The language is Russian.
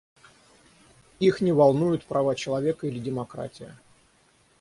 Их не волнуют права человека или демократия.